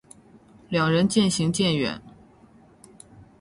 两人渐行渐远